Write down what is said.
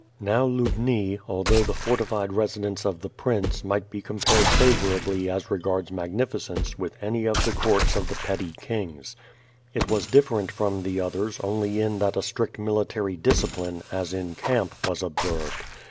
Now Lubni, although the fortified residence of the prince might be compared favor 70 WITH FIRE AyD SWORD. ji ably as regards magnificence with any of tJie courts of the petty kings. It was different from tiie others only in that a strict military discipline, as in camp, was observed.